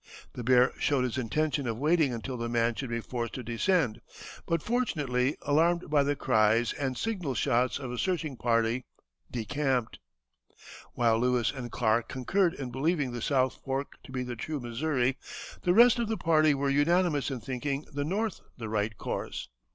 The bear showed his intention of waiting until the man should be forced to descend, but fortunately alarmed by the cries and signal shots of a searching party decamped. While Lewis and Clark concurred in believing the south fork to be the true Missouri, the rest of the party were unanimous in thinking the north the right course.